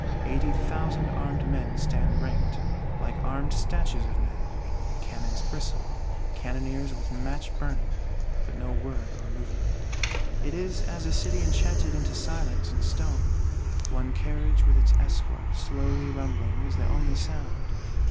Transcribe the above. Eighty thousand armed men stand ranked, like armed statues of men; cannons bristle, cannoneers with match burning, but no word or movement: it is as a city enchanted into silence and stone: one carriage with its escort, slowly rumbling, is the only sound.